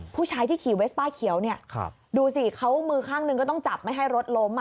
ผู้ชายที่ขี่เวสป้ายเขียวเนี่ยดูสิเขามือข้างหนึ่งก็ต้องจับไม่ให้รถล้ม